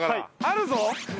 あるぞ！